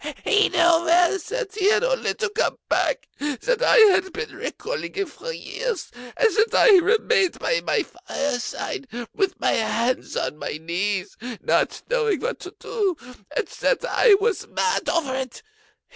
He knew well that he had only to come back, and that I had been recalling him for years, and that I remained by my fireside, with my hands on my knees, not knowing what to do, and that I was mad over it!